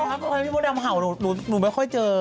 ทำไมพี่มดดำเห่าหนูไม่ค่อยเจอ